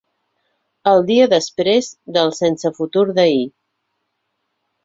El dia després del sense futur d’ahir.